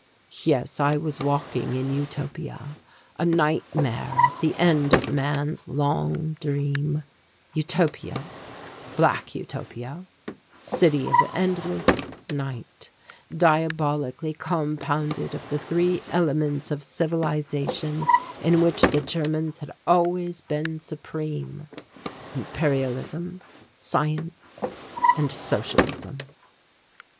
Yes, I was walking in Utopia, a nightmare at the end of man's long dream Utopia Black Utopia City of Endless Night diabolically compounded of the three elements of civilization in which the Germans had always been supreme imperialism, science and socialism.